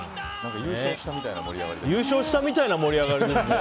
優勝したみたいな盛り上がりでしたよね。